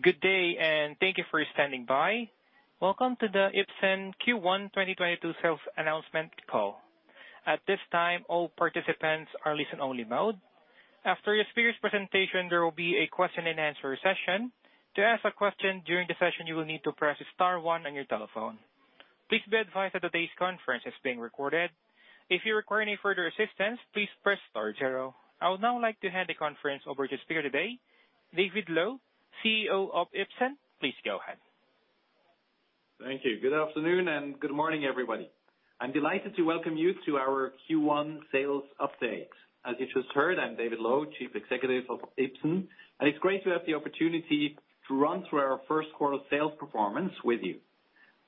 Good day, and thank you for standing by. Welcome to the Ipsen Q1 2022 sales announcement call. At this time, all participants are in listen-only mode. After the speaker's presentation, there will be a question-and-answer session. To ask a question during the session, you will need to press star one on your telephone. Please be advised that today's conference is being recorded. If you require any further assistance, please press star zero. I would now like to hand the conference over to the speaker today, David Loew, CEO of Ipsen. Please go ahead. Thank you. Good afternoon and good morning, everybody. I'm delighted to welcome you to our Q1 sales update. As you just heard, I'm David Loew, Chief Executive of Ipsen, and it's great to have the opportunity to run through our first quarter sales performance with you.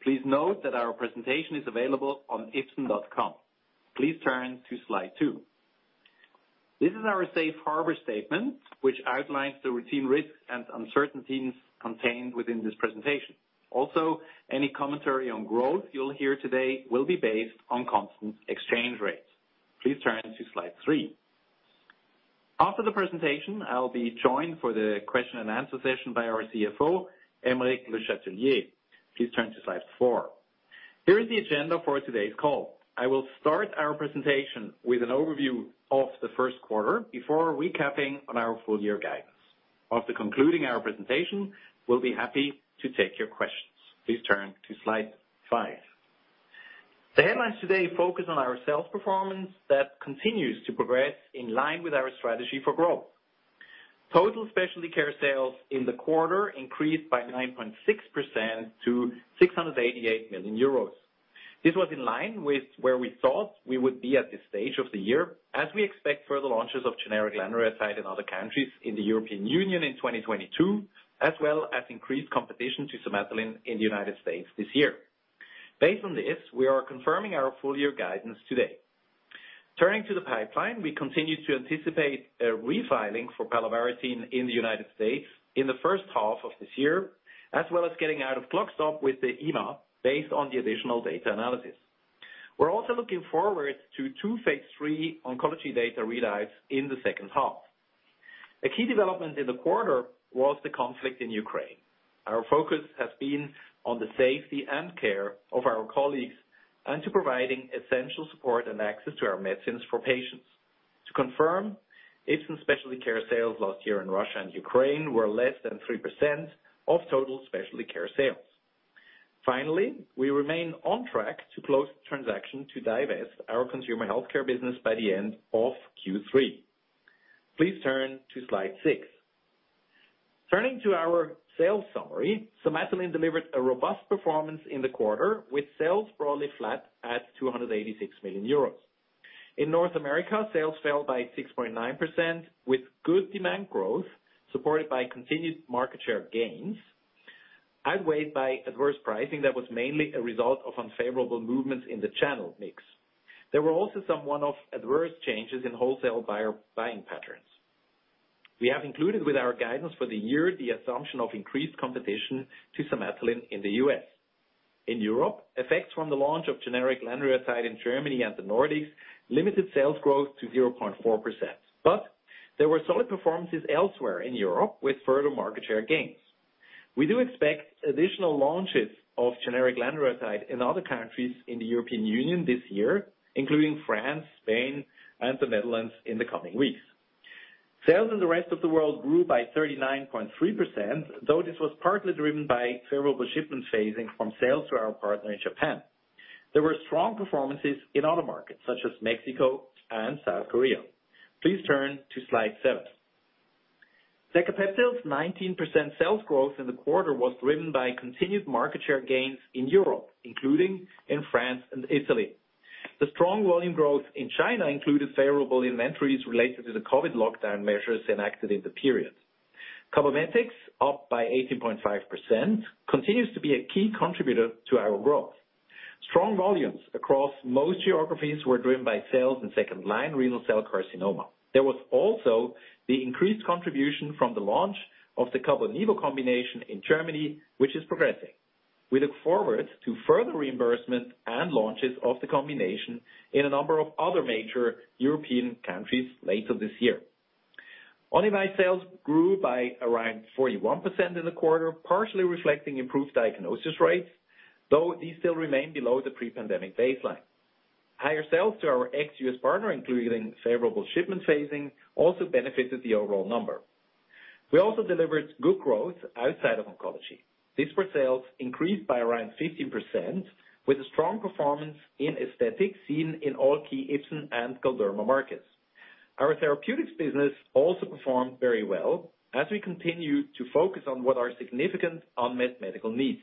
Please note that our presentation is available on ipsen.com. Please turn to slide two. This is our safe harbor statement, which outlines the routine risks and uncertainties contained within this presentation. Also, any commentary on growth you'll hear today will be based on constant exchange rates. Please turn to slide three. After the presentation, I'll be joined for the question-and-answer session by our CFO, Aymeric Le Chatelier. Please turn to slide four. Here is the agenda for today's call. I will start our presentation with an overview of the first quarter before recapping on our full year guidance. After concluding our presentation, we'll be happy to take your questions. Please turn to slide five. The headlines today focus on our sales performance that continues to progress in line with our strategy for growth. Total specialty care sales in the quarter increased by 9.6% to 688 million euros. This was in line with where we thought we would be at this stage of the year, as we expect further launches of generic lanreotide in other countries in the European Union in 2022, as well as increased competition to Somatuline in the United States this year. Based on this, we are confirming our full-year guidance today. Turning to the pipeline, we continue to anticipate a refiling for palovarotene in the United States in the first half of this year, as well as getting out of clock stop with the EMA based on the additional data analysis. We're also looking forward to 2 phase 3 oncology data readouts in the second half. A key development in the quarter was the conflict in Ukraine. Our focus has been on the safety and care of our colleagues and to providing essential support and access to our medicines for patients. To confirm, Ipsen specialty care sales last year in Russia and Ukraine were less than 3% of total specialty care sales. Finally, we remain on track to close the transaction to divest our consumer healthcare business by the end of Q3. Please turn to slide 6. Turning to our sales summary, Somatuline delivered a robust performance in the quarter, with sales broadly flat at 286 million euros. In North America, sales fell by 6.9% with good demand growth, supported by continued market share gains, outweighed by adverse pricing that was mainly a result of unfavorable movements in the channel mix. There were also some one-off adverse changes in wholesale buyer buying patterns. We have included with our guidance for the year the assumption of increased competition to Somatuline in the U.S. In Europe, effects from the launch of generic lanreotide in Germany and the Nordics limited sales growth to 0.4%. There were solid performances elsewhere in Europe with further market share gains. We do expect additional launches of generic lanreotide in other countries in the European Union this year, including France, Spain, and the Netherlands in the coming weeks. Sales in the rest of the world grew by 39.3%, though this was partly driven by favorable shipment phasing from sales to our partner in Japan. There were strong performances in other markets, such as Mexico and South Korea. Please turn to slide 7. Decapeptyl's 19% sales growth in the quarter was driven by continued market share gains in Europe, including in France and Italy. The strong volume growth in China included favorable inventories related to the COVID lockdown measures enacted in the period. Cabometyx, up by 18.5%, continues to be a key contributor to our growth. Strong volumes across most geographies were driven by sales in second-line renal cell carcinoma. There was also the increased contribution from the launch of the cabo-nivo combination in Germany, which is progressing. We look forward to further reimbursement and launches of the combination in a number of other major European countries later this year. Onivyde sales grew by around 41% in the quarter, partially reflecting improved diagnosis rates, though these still remain below the pre-pandemic baseline. Higher sales to our ex-US partner, including favorable shipment phasing, also benefited the overall number. We also delivered good growth outside of oncology. Neuroscience sales increased by around 15% with a strong performance in aesthetics seen in all key Ipsen and Galderma markets. Our therapeutics business also performed very well as we continue to focus on what are significant unmet medical needs.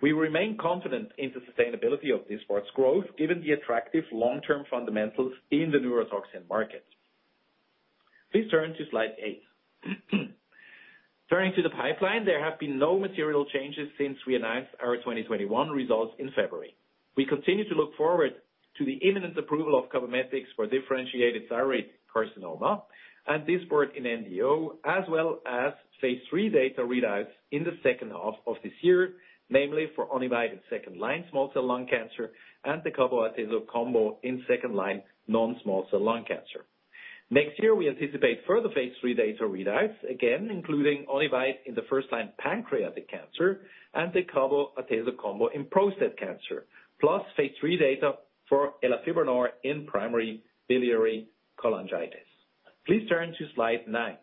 We remain confident in the sustainability of this quarter's growth given the attractive long-term fundamentals in the neurotoxin market. Please turn to slide 8. Turning to the pipeline, there have been no material changes since we announced our 2021 results in February. We continue to look forward to the imminent approval of Cabometyx for differentiated thyroid cancer and Dysport in NDO, as well as phase 3 data readouts in the second half of this year, namely for Onivyde in second-line small cell lung cancer and the cabo-atezo combo in second-line non-small cell lung cancer. Next year, we anticipate further phase 3 data readouts, again including Onivyde in first-line pancreatic cancer and cabo-atezo combo in prostate cancer, plus phase 3 data for elafibranor in primary biliary cholangitis. Please turn to slide 9.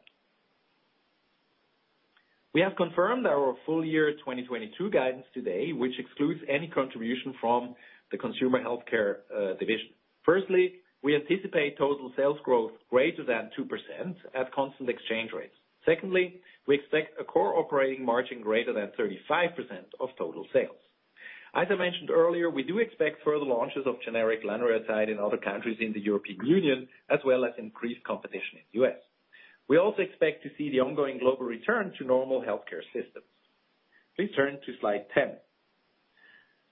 We have confirmed our full year 2022 guidance today, which excludes any contribution from the consumer healthcare division. Firstly, we anticipate total sales growth greater than 2% at constant exchange rates. Secondly, we expect a core operating margin greater than 35% of total sales. As I mentioned earlier, we do expect further launches of generic lanreotide in other countries in the European Union, as well as increased competition in the U.S. We also expect to see the ongoing global return to normal healthcare systems. Please turn to slide 10.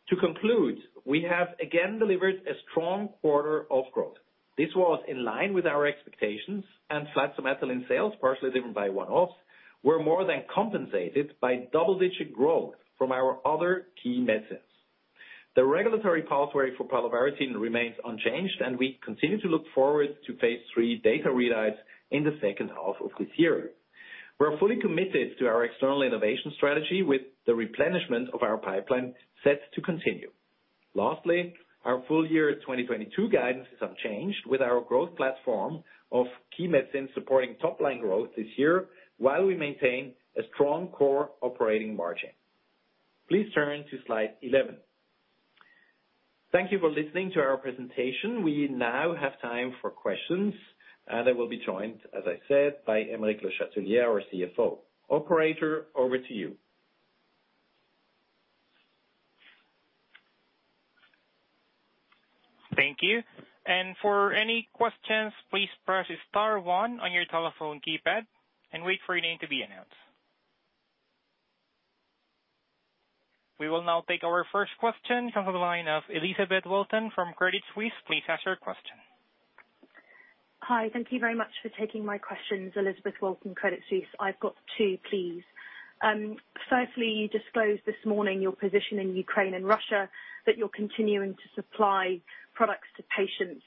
To conclude, we have again delivered a strong quarter of growth. This was in line with our expectations and flat somatostatin sales, partially driven by one-offs, were more than compensated by double-digit growth from our other key medicines. The regulatory pathway for palovarotene remains unchanged, and we continue to look forward to phase 3 data readouts in the second half of this year. We are fully committed to our external innovation strategy with the replenishment of our pipeline set to continue. Lastly, our full year 2022 guidance is unchanged with our growth platform of key medicines supporting top line growth this year while we maintain a strong core operating margin. Please turn to slide 11. Thank you for listening to our presentation. We now have time for questions, and I will be joined, as I said, by Aymeric Le Chatelier, our CFO. Operator, over to you. Thank you. For any questions, please press star one on your telephone keypad and wait for your name to be announced. We will now take our first question from the line of Elisabeth Wilton from Credit Suisse. Please ask your question. Hi. Thank you very much for taking my questions. Elisabeth Wilton, Credit Suisse. I've got two, please. Firstly, you disclosed this morning your position in Ukraine and Russia, that you're continuing to supply products to patients.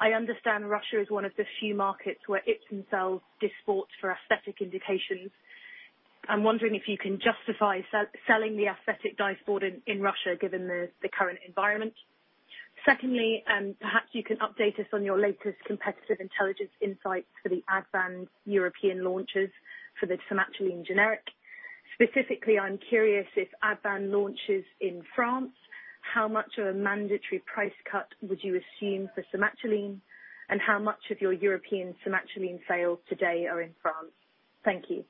I understand Russia is one of the few markets where Ipsen sells Dysport for aesthetic indications. I'm wondering if you can justify selling the aesthetic Dysport in Russia given the current environment. Secondly, perhaps you can update us on your latest competitive intelligence insights for the Advanz European launches for the somatostatin generic. Specifically, I'm curious if Advanz launches in France, how much of a mandatory price cut would you assume for somatostatin, and how much of your European somatostatin sales today are in France? Thank you.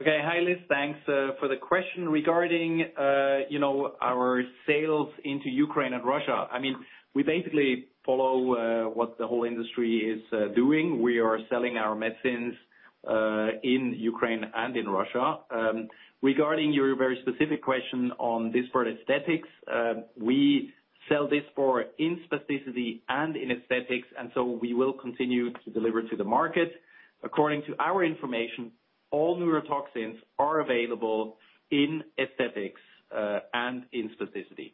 Okay. Hi, Liz. Thanks for the question. Regarding, you know, our sales into Ukraine and Russia, I mean, we basically follow what the whole industry is doing. We are selling our medicines in Ukraine and in Russia. Regarding your very specific question on Dysport aesthetics, we sell Dysport in spasticity and in aesthetics, and so we will continue to deliver to the market. According to our information, all neurotoxins are available in aesthetics and in spasticity.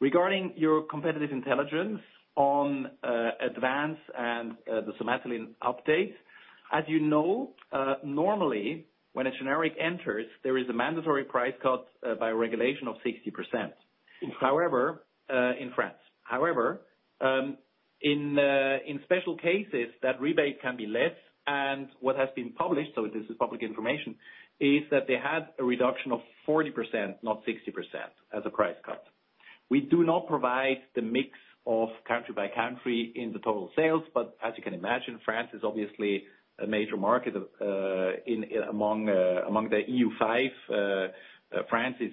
Regarding your competitive intelligence on Advanz and the somatostatin update, as you know, normally when a generic enters, there is a mandatory price cut by regulation of 60%. However, in France. However, in special cases that rebate can be less, and what has been published, so this is public information, is that they had a reduction of 40%, not 60%, as a price cut. We do not provide the mix of country by country in the total sales, but as you can imagine, France is obviously a major market, in among the EU five. France is,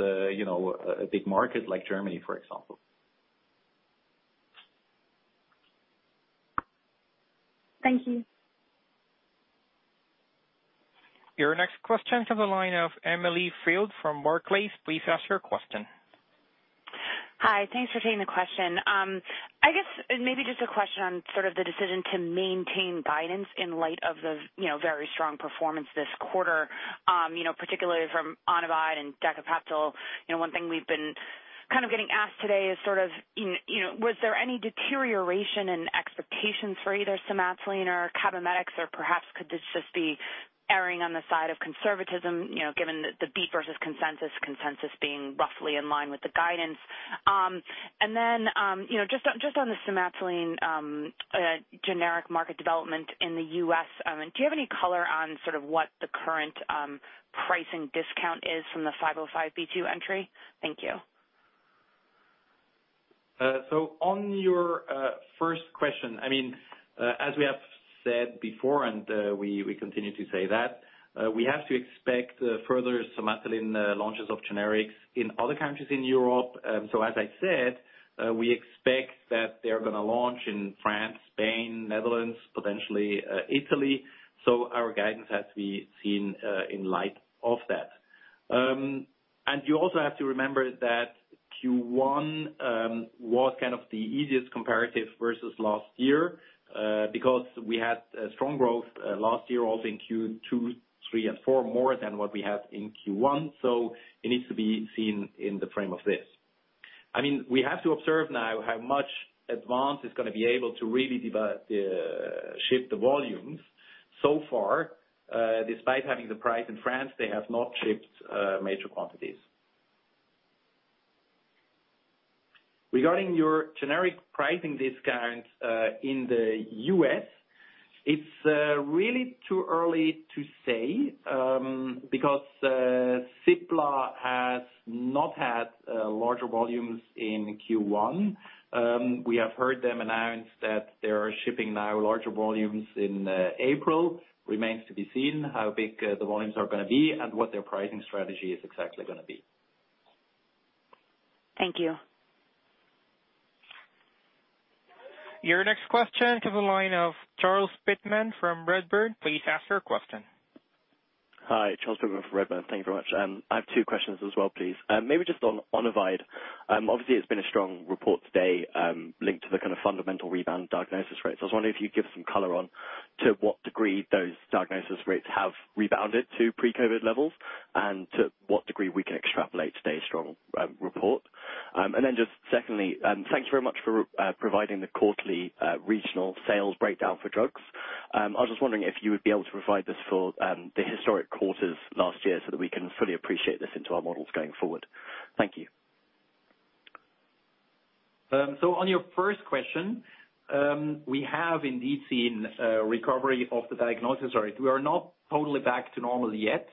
you know, a big market like Germany, for example. Thank you. Your next question comes from the line of Emily Field from Barclays. Please ask your question. Hi. Thanks for taking the question. I guess maybe just a question on sort of the decision to maintain guidance in light of the, you know, very strong performance this quarter, you know, particularly from Onivyde and Decapeptyl. You know, one thing we've been kind of getting asked today is sort of in, you know, was there any deterioration in expectations for either somatostatin or Cabometyx, or perhaps could this just be erring on the side of conservatism, you know, given the beat versus consensus being roughly in line with the guidance? You know, just on the somatostatin, generic market development in the U.S., do you have any color on sort of what the current pricing discount is from the 505(b)(2) entry? Thank you. On your first question, I mean, as we have said before and we continue to say that we have to expect further somatostatin launches of generics in other countries in Europe. As I said, we expect that they're gonna launch in France, Spain, Netherlands, potentially Italy. Our guidance has to be seen in light of that. You also have to remember that Q1 was kind of the easiest comparative versus last year, because we had strong growth last year also in Q2, Q3, and Q4, more than what we had in Q1. It needs to be seen in the frame of this. I mean, we have to observe now how much Advanz is gonna be able to really ship the volumes. So far, despite having the price in France, they have not shipped major quantities. Regarding your generic pricing discount in the U.S., it's really too early to say, because Cipla has not had larger volumes in Q1. We have heard them announce that they are shipping now larger volumes in April. Remains to be seen how big the volumes are gonna be and what their pricing strategy is exactly gonna be. Thank you. Your next question comes on the line of Charles Pitman from Redburn. Please ask your question. Hi, Charles Pitman from Redburn. Thank you very much. I have two questions as well, please. Maybe just on Onivyde. Obviously it's been a strong report today, linked to the kind of fundamental rebound diagnosis rates. I was wondering if you'd give some color on to what degree those diagnosis rates have rebounded to pre-COVID levels and to what degree we can extrapolate today's strong report. And then just secondly, thank you very much for providing the quarterly regional sales breakdown for drugs. I was just wondering if you would be able to provide this for the historic quarters last year so that we can fully appreciate this into our models going forward. Thank you. On your first question, we have indeed seen a recovery of the diagnosis rate. We are not totally back to normal yet.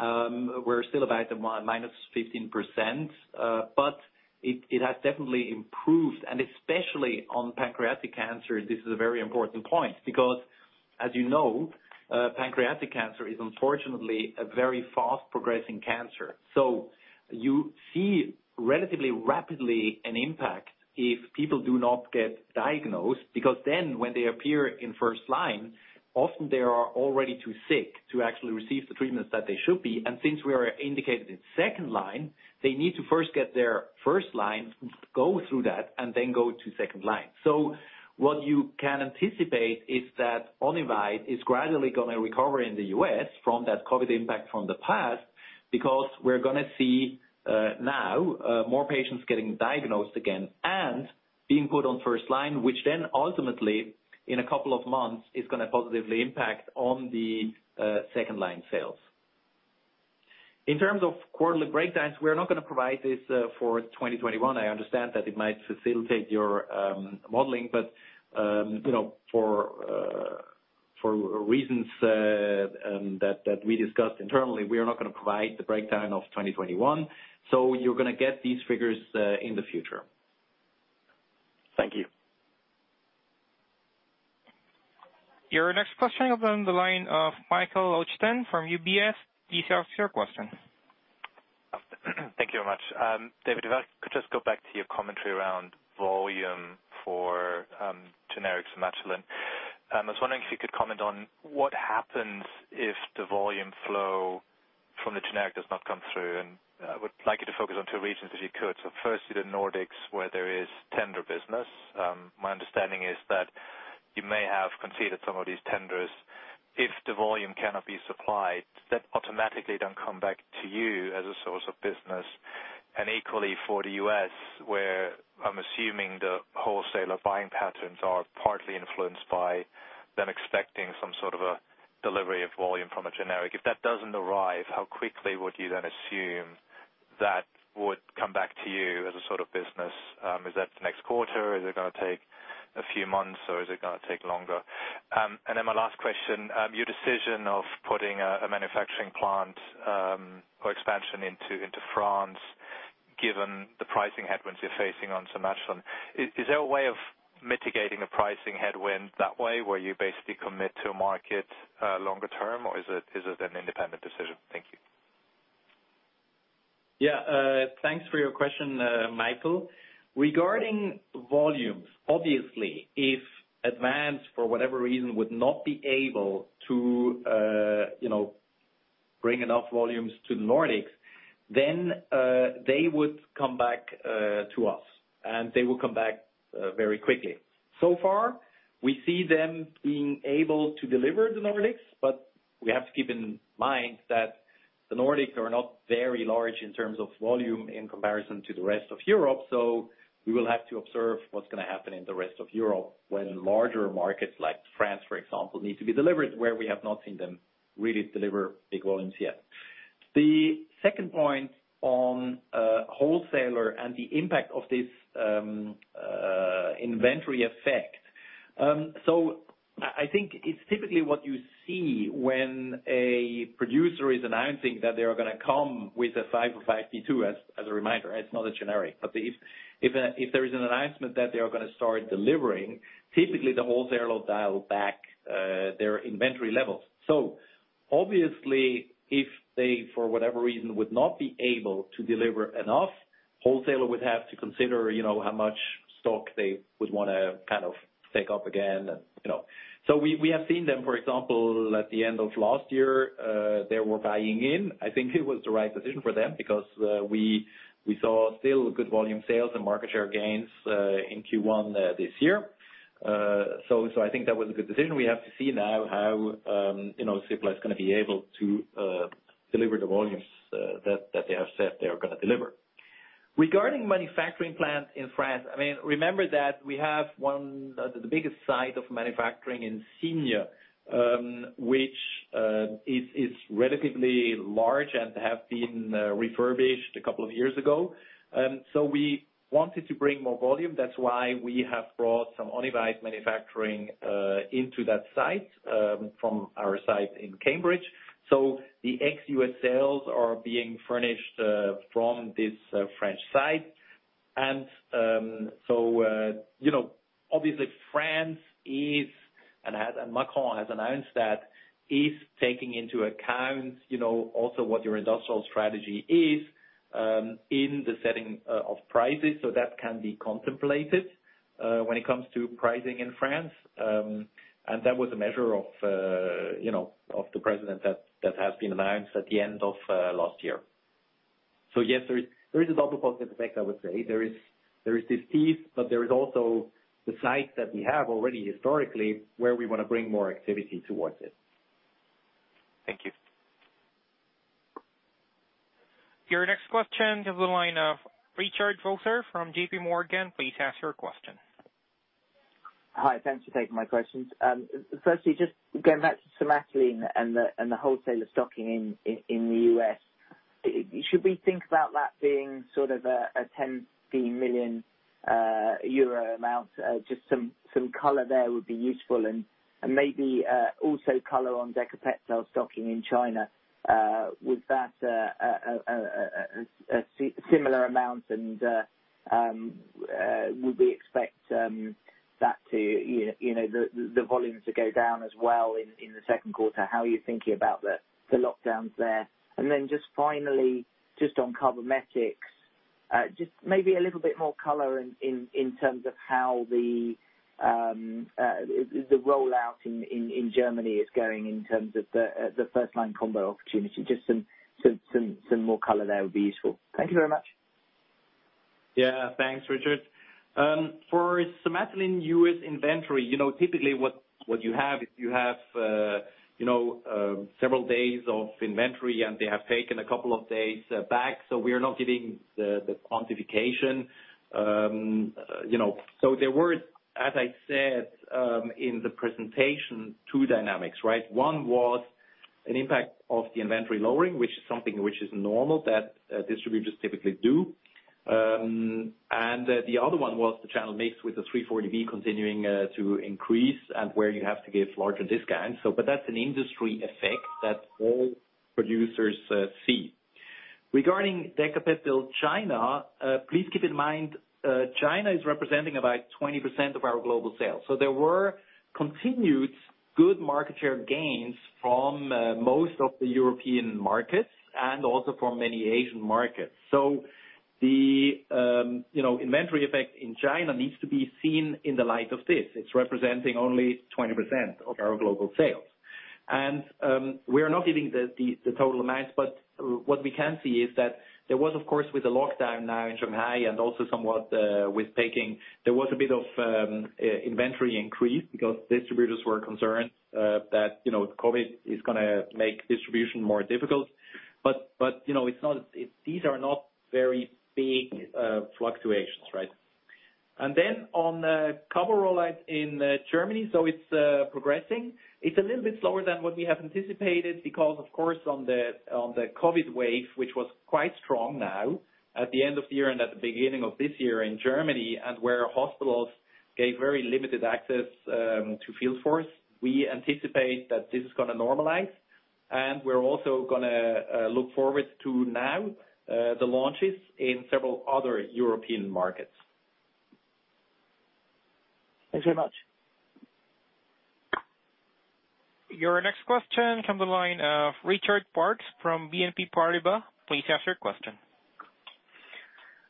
We're still about minus 15%, but it has definitely improved, and especially on pancreatic cancer, this is a very important point because as you know, pancreatic cancer is unfortunately a very fast progressing cancer. You see relatively rapidly an impact if people do not get diagnosed, because then when they appear in first line, often they are already too sick to actually receive the treatments that they should be. Since we are indicated in second line, they need to first get their first line, go through that, and then go to second line. What you can anticipate is that Onivyde is gradually gonna recover in the U.S. from that COVID impact from the past because we're gonna see now more patients getting diagnosed again and being put on first line, which then ultimately, in a couple of months, is gonna positively impact on the second line sales. In terms of quarterly breakdowns, we're not gonna provide this for 2021. I understand that it might facilitate your modeling, but you know, for reasons that we discussed internally, we are not gonna provide the breakdown of 2021. You're gonna get these figures in the future. Thank you. Your next question on the line of Michael Leuchten from UBS. Please ask your question. Thank you very much. David, if I could just go back to your commentary around volume for generic Somatuline. I was wondering if you could comment on what happens if the volume flow from the generic does not come through, and I would like you to focus on two regions if you could. Firstly, the Nordics, where there is tender business. My understanding is that you may have conceded some of these tenders. If the volume cannot be supplied, that automatically don't come back to you as a source of business. Equally for the U.S., where I'm assuming the wholesaler buying patterns are partly influenced by them expecting some sort of a delivery of volume from a generic. If that doesn't arrive, how quickly would you then assume that would come back to you as a sort of business? Is that the next quarter? Is it gonna take a few months, or is it gonna take longer? My last question, your decision of putting a manufacturing plant or expansion into France, given the pricing headwinds you're facing on Somatuline, is there a way of mitigating a pricing headwind that way, where you basically commit to a market longer term, or is it an independent decision? Thank you. Yeah. Thanks for your question, Michael. Regarding volumes, obviously, if Advanz, for whatever reason, would not be able to, you know, bring enough volumes to the Nordics, then, they would come back, to us, and they will come back, very quickly. So far, we see them being able to deliver to the Nordics, but we have to keep in mind that the Nordics are not very large in terms of volume in comparison to the rest of Europe. We will have to observe what's gonna happen in the rest of Europe when larger markets like France, for example, need to be delivered, where we have not seen them really deliver big volumes yet. The second point on wholesaler and the impact of this inventory effect. I think it's typically what you see when a producer is announcing that they are gonna come with a 505(b)(2), as a reminder, it's not a generic, but if there is an announcement that they are gonna start delivering, typically the wholesaler will dial back their inventory levels. Obviously, if they, for whatever reason, would not be able to deliver enough, wholesaler would have to consider, you know, how much stock they would wanna kind of take up again and, you know. We have seen them, for example, at the end of last year, they were buying in. I think it was the right decision for them because we saw still good volume sales and market share gains in Q1 this year. I think that was a good decision. We have to see now how Cipla is gonna be able to deliver the volumes that they have said they are gonna deliver. Regarding manufacturing plant in France, I mean, remember that we have one the biggest site of manufacturing in Signes, which is relatively large and have been refurbished a couple of years ago. We wanted to bring more volume. That's why we have brought some Onivyde manufacturing into that site from our site in Cambridge. The ex-US sales are being furnished from this French site. Obviously France is, and has and Macron has announced that is taking into account you know also what your industrial strategy is in the setting of prices. That can be contemplated when it comes to pricing in France. That was a measure of, you know, of the President that has been announced at the end of last year. Yes, there is a double positive effect, I would say. There is this relief, but there is also the site that we have already historically, where we wanna bring more activity towards it. Thank you. Your next question comes from the line of Richard Vosser from JP Morgan. Please ask your question. Hi. Thanks for taking my questions. Firstly, just going back to Somatuline and the wholesale stocking in the U.S. Should we think about that being sort of a 10 million euro amount? Just some color there would be useful and maybe also color on Decapeptyl stocking in China. With that similar amount and would we expect that to, you know, the volume to go down as well in the second quarter? How are you thinking about the lockdowns there? Then just finally, just on Cabometyx, just maybe a little bit more color in terms of how the rollout in Germany is going in terms of the first-line combo opportunity. Just some more color there would be useful. Thank you very much. Yeah. Thanks, Richard. For Somatuline U.S. inventory, you know, typically what you have is several days of inventory, and they have taken a couple of days back, so we are not giving the quantification. You know, there were, as I said, in the presentation, two dynamics, right? One was an impact of the inventory lowering, which is something which is normal that distributors typically do. The other one was the channel mix with the 340B continuing to increase and where you have to give larger discounts. But that's an industry effect that all producers see. Regarding Decapeptyl China, please keep in mind, China is representing about 20% of our global sales. There were continued good market share gains from most of the European markets and also from many Asian markets. The inventory effect in China needs to be seen in the light of this. You know, it's representing only 20% of our global sales. We are not giving the total amounts, but what we can see is that there was, of course, with the lockdown now in Shanghai and also somewhat with Beijing, there was a bit of inventory increase because distributors were concerned that you know, COVID is gonna make distribution more difficult. You know, it's not. These are not very big fluctuations, right? Then on the cabo-nivo rollout in Germany, it's progressing. It's a little bit slower than what we have anticipated because, of course, on the COVID wave, which was quite strong now at the end of the year and at the beginning of this year in Germany, and where hospitals gave very limited access to field force. We anticipate that this is gonna normalize, and we're also gonna look forward to now the launches in several other European markets. Thanks very much. Your next question comes on the line of Richard Parkes from BNP Paribas. Please ask your question.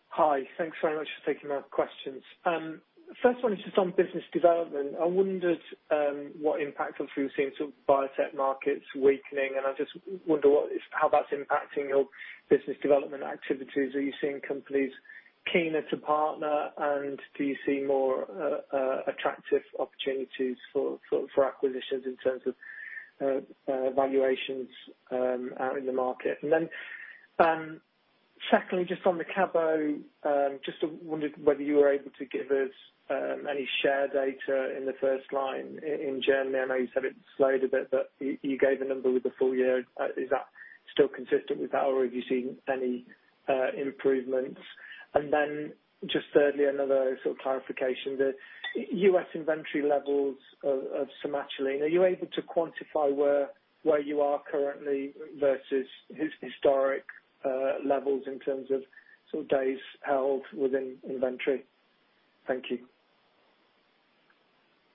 Hi. Thanks very much for taking my questions. First one is just on business development. I wondered what impact if you're seeing sort of biotech markets weakening, and I just wonder how that's impacting your business development activities. Are you seeing companies keener to partner, and do you see more attractive opportunities for acquisitions in terms of valuations out in the market? Then secondly, just on the CABO, just wondered whether you were able to give us any share data in the first line in Germany. I know you said it slowed a bit, but you gave a number with the full year. Is that still consistent with that, or have you seen any improvements? Just thirdly, another sort of clarification. The U.S. inventory levels of Somatuline, are you able to quantify where you are currently versus historic levels in terms of sort of days held within inventory? Thank you.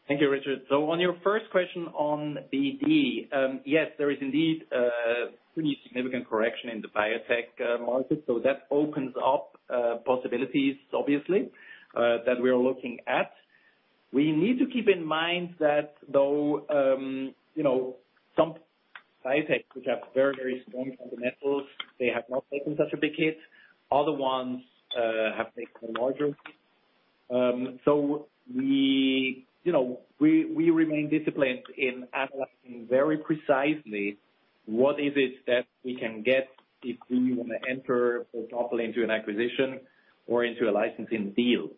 Thank you, Richard. On your first question on BD, yes, there is indeed a pretty significant correction in the biotech market. That opens up possibilities, obviously, that we are looking at. We need to keep in mind that though, you know, some biotech which have very, very strong fundamentals, they have not taken such a big hit. Other ones have taken a larger hit. You know, we remain disciplined in analyzing very precisely what is it that we can get if we wanna enter or dabble into an acquisition or into a licensing deal.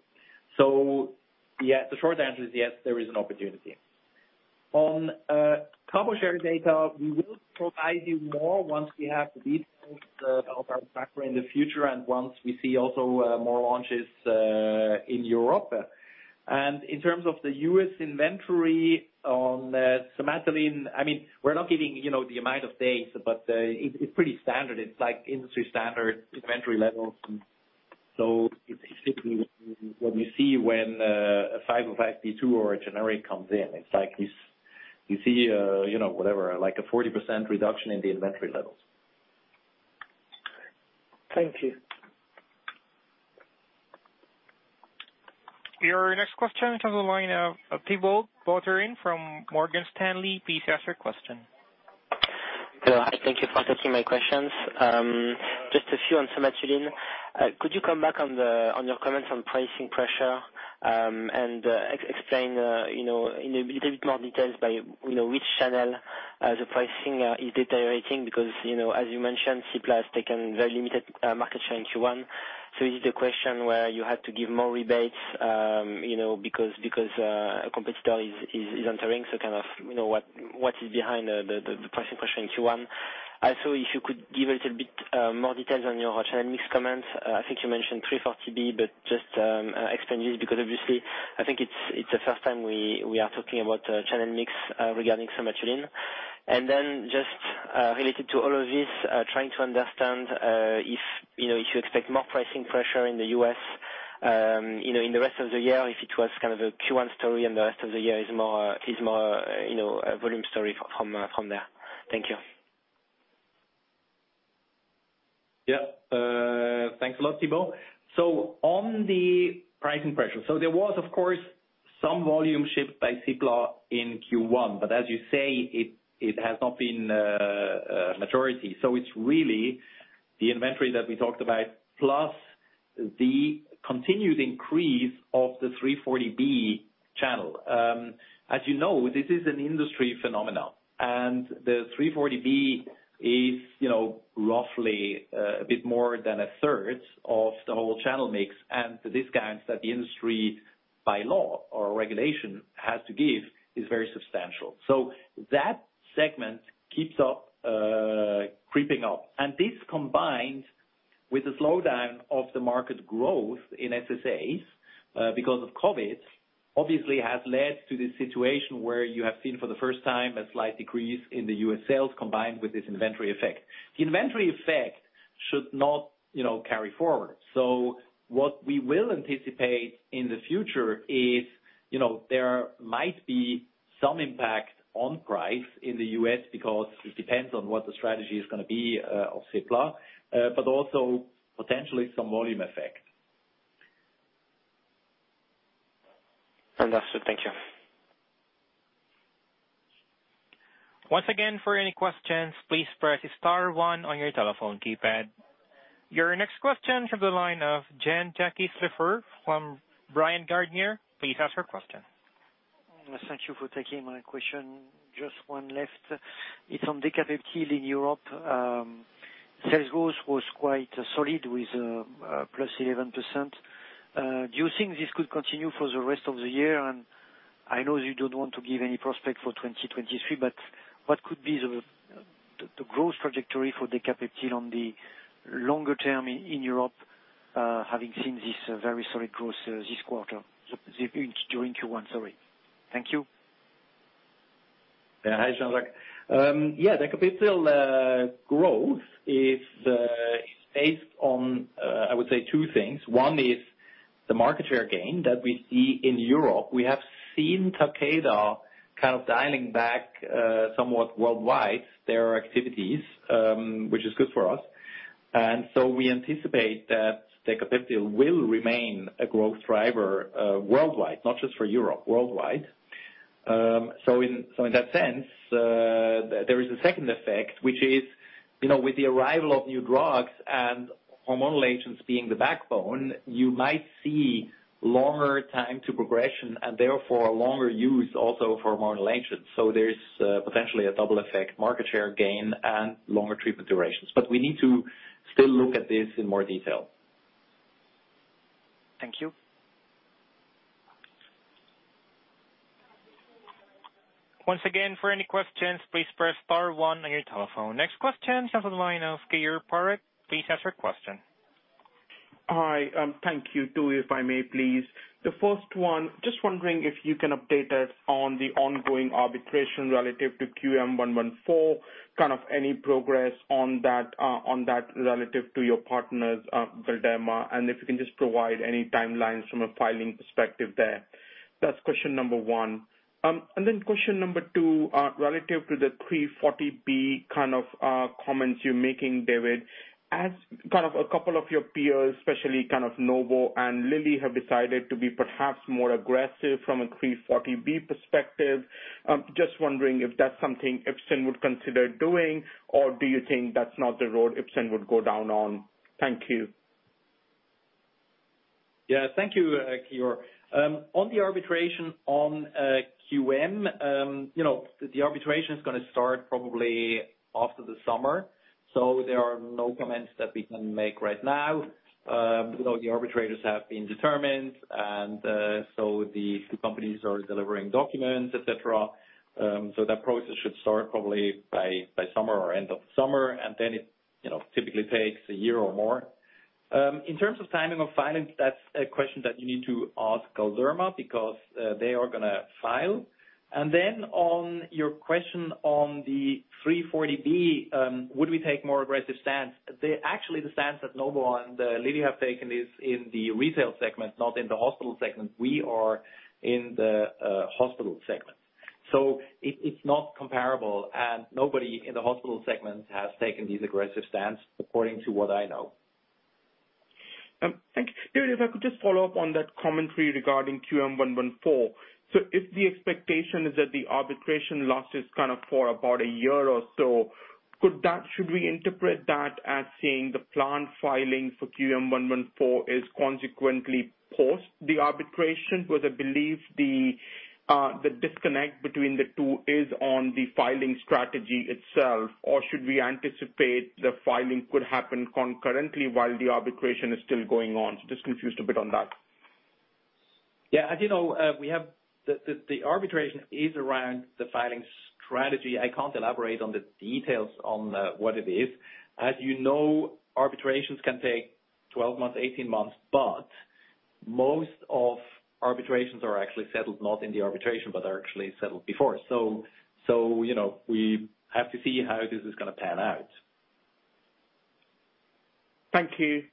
Yes, the short answer is yes, there is an opportunity. On cabo-atezo data, we will provide you more once we have the details about ASCO in the future and once we see also more launches in Europe. In terms of the U.S. inventory on Somatuline, I mean, we're not giving, you know, the amount of days, but it's pretty standard. It's like industry standard inventory levels. It's simply what you see when a 505(b)(2) or a generic comes in. It's like this. You see, you know, whatever, like a 40% reduction in the inventory levels. Thank you. Your next question comes on the line of Thibault Boutherin from Morgan Stanley. Please ask your question. Hello. Hi. Thank you for taking my questions. Just a few on Somatuline. Could you come back on your comments on pricing pressure, and explain, you know, in a bit more details by which channel the pricing is deteriorating? Because, you know, as you mentioned, Cipla has taken very limited market share in Q1. Is it a question where you had to give more rebates, you know, because a competitor is entering, so kind of, you know, what is behind the pricing pressure in Q1? Also, if you could give a little bit more details on your channel mix comments. I think you mentioned 340B, but just explain this because obviously I think it's the first time we are talking about channel mix regarding Somatuline. Then just related to all of this, trying to understand if, you know, if you expect more pricing pressure in the US, you know, in the rest of the year, if it was kind of a Q1 story and the rest of the year is more, you know, a volume story from there. Thank you. Yeah. Thanks a lot, Thibault. On the pricing pressure, there was, of course, some volume shipped by Cipla in Q1, but as you say, it has not been majority. It's really the inventory that we talked about, plus the continued increase of the 340B channel. As you know, this is an industry phenomenon, and the 340B is, you know, roughly a bit more than a third of the whole channel mix. The discounts that the industry by law or regulation has to give is very substantial. That segment keeps up creeping up. This combined with the slowdown of the market growth in SSAs, because of COVID, obviously has led to this situation where you have seen for the first time a slight decrease in the U.S. sales combined with this inventory effect. The inventory effect should not, you know, carry forward. What we will anticipate in the future is, you know, there might be some impact on price in the U.S. because it depends on what the strategy is gonna be, of Cipla, but also potentially some volume effect. Understood. Thank you. Once again, for any questions, please press star one on your telephone keypad. Your next question from the line of Jean-Jacques Le Fur from Bryan, Garnier & Co. Please ask your question. Thank you for taking my question. Just one left. It's on Decapeptyl in Europe. Sales growth was quite solid with plus 11%. Do you think this could continue for the rest of the year? I know you don't want to give any prospect for 2023, but what could be the growth trajectory for Decapeptyl on the longer term in Europe, having seen this very solid growth this quarter during Q1. Thank you. Yeah. Hi, Jean-Jacques. Decapeptyl growth is based on, I would say, two things. One is the market share gain that we see in Europe. We have seen Takeda kind of dialing back somewhat worldwide their activities, which is good for us. We anticipate that Decapeptyl will remain a growth driver worldwide. Not just for Europe, worldwide. In that sense, there is a second effect, which is, you know, with the arrival of new drugs and hormonal agents being the backbone, you might see longer time to progression and therefore longer use also for hormonal agents. There's potentially a double effect, market share gain and longer treatment durations. We need to still look at this in more detail. Thank you. Once again, for any questions, please press star one on your telephone. Next question comes on the line of Shan Hama. Please ask your question. Hi. Thank you. 2 if I may please. The first one, just wondering if you can update us on the ongoing arbitration relative to QM-1114, kind of any progress on that, on that relative to your partners, Galderma, and if you can just provide any timelines from a filing perspective there. That's question number 1. Question number 2, relative to the 340B kind of comments you're making, David. As kind of a couple of your peers, especially kind of Novo and Lilly, have decided to be perhaps more aggressive from a 340B perspective, just wondering if that's something Ipsen would consider doing, or do you think that's not the road Ipsen would go down on? Thank you. Yeah. Thank you, Shan Hama. On the arbitration on QM, you know, the arbitration is gonna start probably after the summer, so there are no comments that we can make right now without the arbitrators have been determined and so the two companies are delivering documents, et cetera. So that process should start probably by summer or end of summer, and then it you know, typically takes a year or more. In terms of timing of filing, that's a question that you need to ask Galderma because they are gonna file. Then on your question on the 340B, would we take more aggressive stance? Actually, the stance that Novo and Lilly have taken is in the retail segment, not in the hospital segment. We are in the hospital segment. It's not comparable, and nobody in the hospital segment has taken this aggressive stance according to what I know. Thank you. Darius, if I could just follow up on that commentary regarding QM-1114. If the expectation is that the arbitration lasted kind of for about a year or so, should we interpret that as saying the planned filing for QM-1114 is consequently post the arbitration? Because I believe the disconnect between the two is on the filing strategy itself, or should we anticipate the filing could happen concurrently while the arbitration is still going on? Just confused a bit on that. Yeah. As you know, we have the arbitration is around the filing strategy. I can't elaborate on the details on what it is. As you know, arbitrations can take 12 months, 18 months, but most of arbitrations are actually settled not in the arbitration, but are actually settled before. You know, we have to see how this is gonna pan out. Thank you.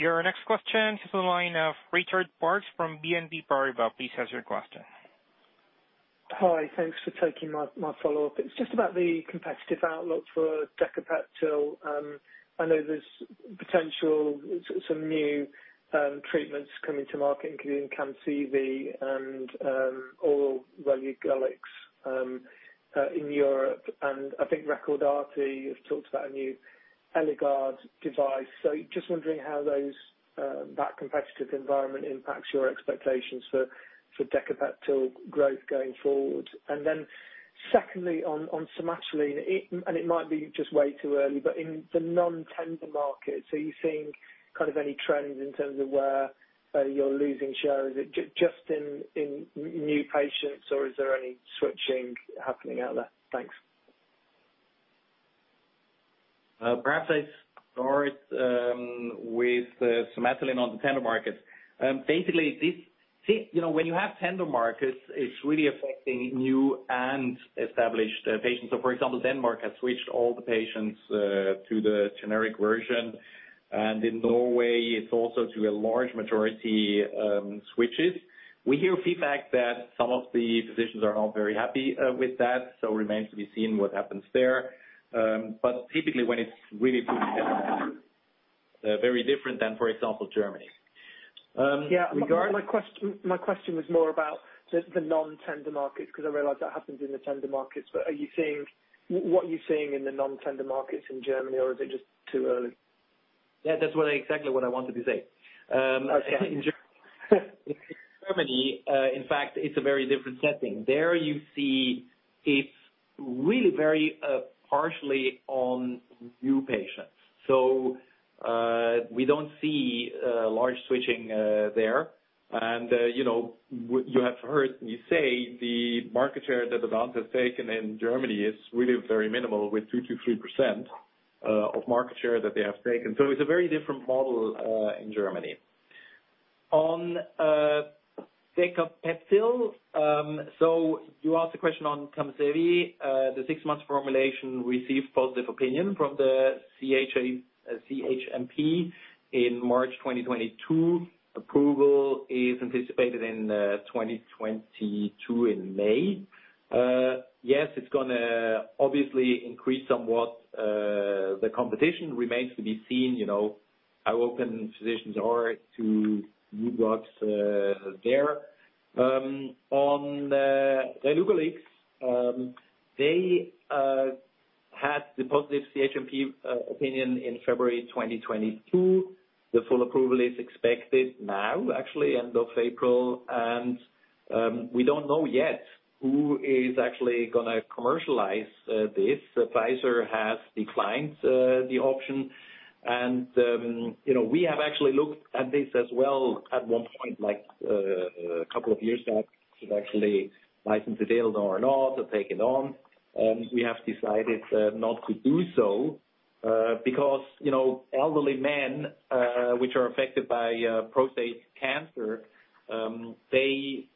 Your next question is on the line of Richard Parkes from BNP Paribas. Please ask your question. Hi. Thanks for taking my follow-up. It's just about the competitive outlook for Decapeptyl. I know there's potential, some new treatments coming to market, including Camcevi and or relugolix in Europe, and I think Recordati have talked about a new Eligard device. Just wondering how that competitive environment impacts your expectations for Decapeptyl growth going forward. Then secondly, on Somatuline, it might be just way too early. In the non-tender markets, are you seeing kind of any trends in terms of where you're losing share? Is it just in new patients, or is there any switching happening out there? Thanks. Perhaps I start with Somatuline on the tender markets. Basically, you know, when you have tender markets, it's really affecting new and established patients. For example, Denmark has switched all the patients to the generic version, and in Norway it's also to a large majority switches. We hear feedback that some of the physicians are not very happy with that, so remains to be seen what happens there. Typically when it's really good, very different than, for example, Germany. Regard- Yeah. My question was more about the non-tender markets, 'cause I realize that happens in the tender markets. What are you seeing in the non-tender markets in Germany, or is it just too early? Yeah, that's exactly what I wanted to say. Okay. In Germany, in fact it's a very different setting. There you see it's really very partially on new patients. We don't see large switching there. You know, you have heard me say the market share that Advanz has taken in Germany is really very minimal with 2%-3% of market share that they have taken. It's a very different model in Germany. On Decapeptyl, you asked a question on Camcevi. The six-month formulation received positive opinion from the CHMP in March 2022. Approval is anticipated in May 2022. Yes, it's gonna obviously increase somewhat the competition. Remains to be seen, you know, how open physicians are to new drugs there. On relugolix, they had the positive CHMP opinion in February 2022. The full approval is expected now, actually end of April, and we don't know yet who is actually gonna commercialize this. Pfizer has declined the option and, you know, we have actually looked at this as well at one point, like, a couple of years back to actually license it or not or take it on, and we have decided not to do so. Because, you know, elderly men which are affected by prostate cancer, they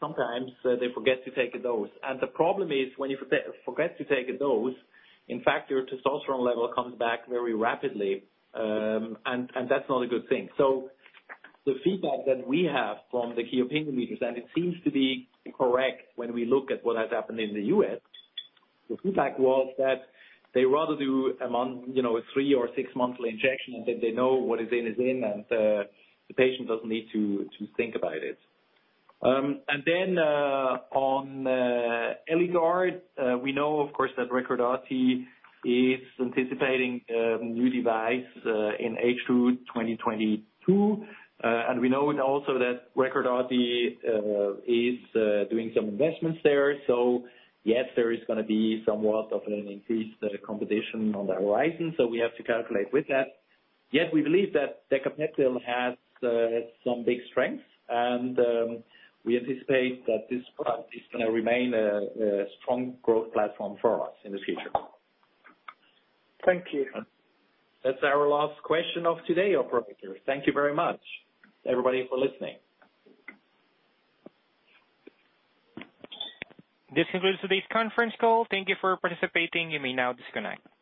sometimes forget to take a dose. The problem is when you forget to take a dose, in fact, your testosterone level comes back very rapidly, and that's not a good thing. The feedback that we have from the key opinion leaders, and it seems to be correct when we look at what has happened in the US, the feedback was that they rather do a you know, a 3 or 6 monthly injection, and then they know what is in is in and, the patient doesn't need to think about it. Then, on Eligard, we know of course that Recordati is anticipating a new device in H2 2022. And we know also that Recordati is doing some investments there. Yes, there is gonna be somewhat of an increased competition on the horizon, so we have to calculate with that. Yet we believe that Decapeptyl has some big strengths, and we anticipate that this product is gonna remain a strong growth platform for us in the future. Thank you. That's our last question of today, operator. Thank you very much, everybody, for listening. This concludes today's conference call. Thank you for participating. You may now disconnect.